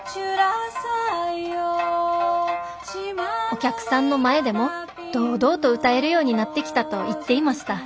「お客さんの前でも堂々と歌えるようになってきたと言っていました」。